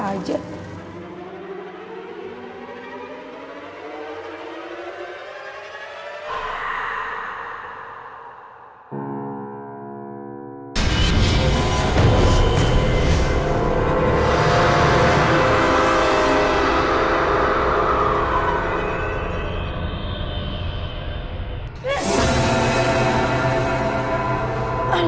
maksudnya consecensi banyak sekali kan